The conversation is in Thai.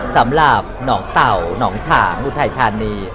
สำหรับหนองเต่าหนองฉางอุทัยธานี